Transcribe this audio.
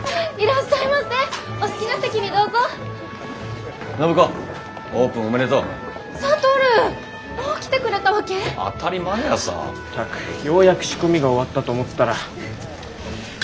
ったくようやく仕込みが終わったと思ったら。